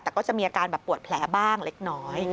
แต่ก็จะมีอาการแบบปวดแผลบ้างเล็กน้อย